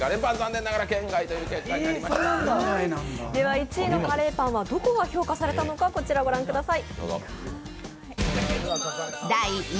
１位のカレーパンはどこが評価されたのかご覧ください。